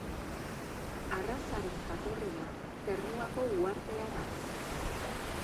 Arrazaren jatorria Ternuako uhartea da.